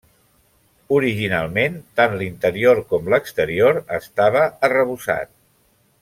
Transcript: Originalment, tant l'interior com l'exterior estava arrebossat.